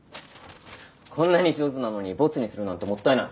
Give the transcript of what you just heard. こんなに上手なのにボツにするなんてもったいない。